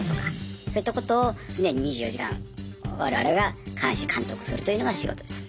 そういったことを常に２４時間我々が監視・監督するというのが仕事です。